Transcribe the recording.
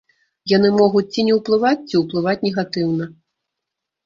Яны могуць ці не ўплываць, ці ўплываць негатыўна.